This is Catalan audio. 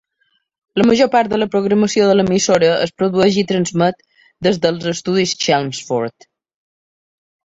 La major part de la programació de l'emissora es produeix i transmet des dels estudis Chelmsford.